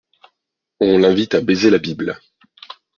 On l'invite à baiser la bible.